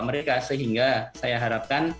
mereka sehingga saya harapkan